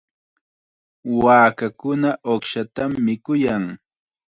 Waakakuna uqshatam mikuyan.